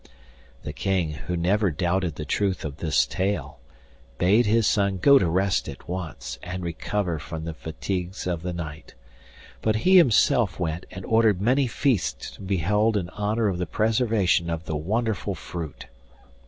The King, who never doubted the truth of this tale, bade his son go to rest at once and recover from the fatigues of the night; but he himself went and ordered many feasts to be held in honour of the preservation of the wonderful fruit.